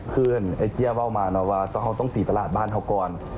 เพื่อนไอ้เจี๊ยาบ้าวมาว่าว่าเค้าต้องตีตลาดบ้านเค้าก่อน